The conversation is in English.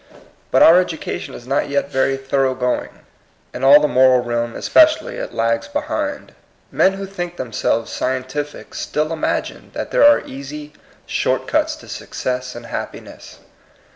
But our education is not yet very thorough going. In all the moral realm especially it lags behind Men who think themselves scientific still imagine that there are easy, short cuts to success and happi ness.